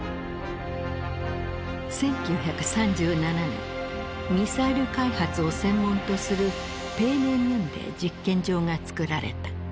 １９３７年ミサイル開発を専門とするペーネミュンデ実験場がつくられた。